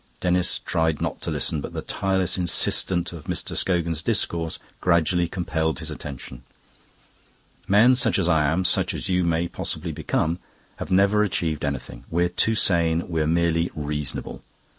Denis tried not to listen, but the tireless insistence of Mr. Scogan's discourse gradually compelled his attention. "Men such as I am, such as you may possibly become, have never achieved anything. We're too sane; we're merely reasonable.